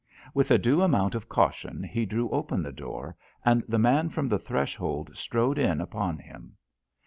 With a due amount of caution he drew open the door, and the man from the threshold strode in upon him.